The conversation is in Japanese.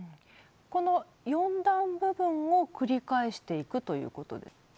この４段部分を繰り返していくということ？